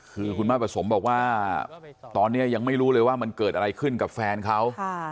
คือคุณแม่ประสมบอกว่าตอนนี้ยังไม่รู้เลยว่ามันเกิดอะไรขึ้นกับแฟนเขา